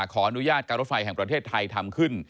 ขออนุญาตการรถไฟแห่งประเทศไทยทำขึ้น